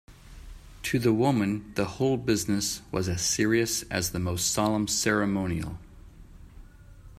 To the woman, the whole business was as serious as the most solemn ceremonial.